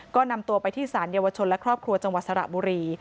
ก็นำตัวไปที่สารเยาวชนและครอบครัวจังหวัดสระบุรี